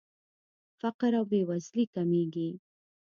فقر او بېوزلي کمیږي.